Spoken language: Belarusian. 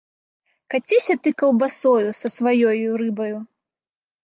Каціся ты каўбасою са сваёю рыбаю!